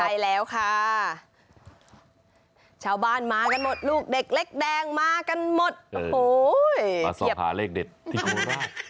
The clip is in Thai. ใช่แล้วค่ะชาวบ้านมากันหมดลูกเด็กเล็กแดงมากันหมดโอ้โหมาเทียบหาเลขเด็ดที่คุณแม่